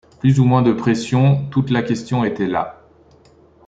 Plus ou moins de pression ; toute la question était là.